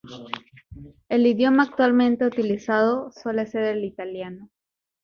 El idioma actualmente utilizado suele ser el italiano.